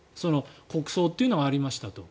国葬というのがありましたと。